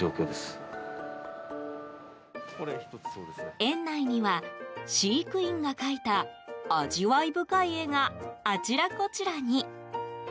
園内には飼育員が描いた味わい深い絵があちらこちらに。